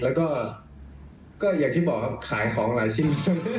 แล้วก็อย่างที่บอกครับขายของหลายชิ้น